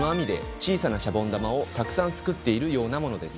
小さなシャボン玉をたくさん作っているようなものです。